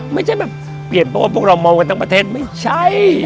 ไม่ใช่แบบเปลี่ยนเพราะว่าพวกเรามองกันทั้งประเทศไม่ใช่